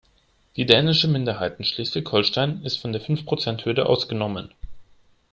Die dänische Minderheit in Schleswig-Holstein ist von der Fünfprozenthürde ausgenommen.